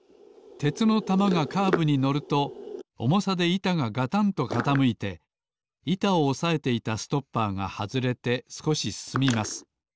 鉄の玉がカーブにのるとおもさでいたががたんとかたむいていたをおさえていたストッパーがはずれてすこしすすみます。